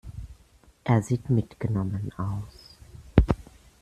Er sieht mitgenommen aus.